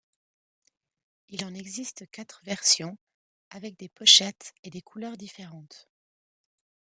Il en existe quatre versions avec des pochettes et des couleurs différentes.